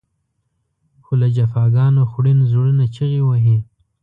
خو له جفاګانو خوړین زړونه چغې وهي.